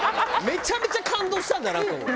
めちゃめちゃ感動したんだなと思う。